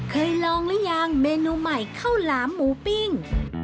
เคยลองหรือยังเมนูใหม่ข้าวหลามหมูปิ้ง